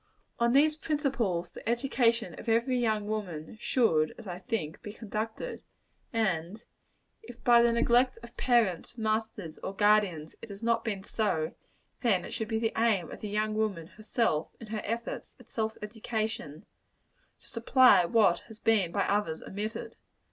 On these principles the education of every young woman should, as I think, be conducted; and if, by the neglect of parents, masters or guardians, it has not been so, then it should be the aim of the young woman herself, in her efforts at self education, to supply what has been by others omitted.